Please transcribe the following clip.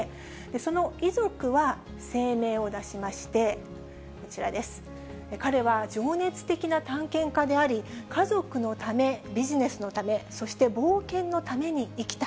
その遺族は声明を出しまして、こちらです、彼は情熱的な探検家であり、家族のため、ビジネスのため、そして冒険のために生きた。